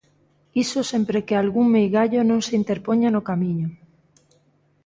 Iso sempre que algún meigallo non se interpoña no Camiño...